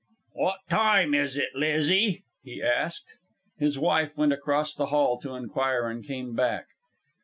"What time is it, Lizzie?" he asked. His wife went across the hall to inquire, and came back.